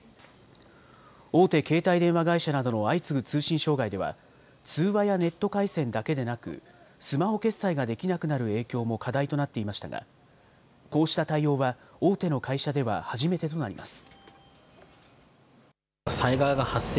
大手携帯電話会社などの相次ぐ通信障害では通話やネット回線だけでなくスマホ決済ができなくなる影響も課題となっていましたがこうした対応は大手の会社では初めてとなります。